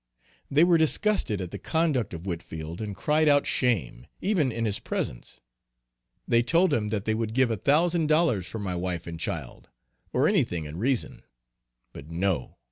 They were disgusted at the conduct of Whitfield and cried out shame, even in his presence. They told him that they would give a thousand dollars for my wife and child, or any thing in reason. But no!